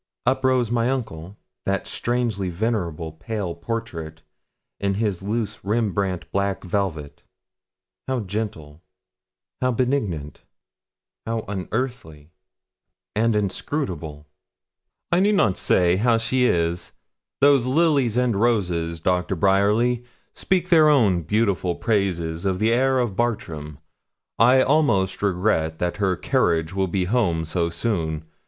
Up rose my uncle, that strangely venerable, pale portrait, in his loose Rembrandt black velvet. How gentle, how benignant, how unearthly, and inscrutable! 'I need not say how she is. Those lilies and roses, Doctor Bryerly, speak their own beautiful praises of the air of Bartram. I almost regret that her carriage will be home so soon.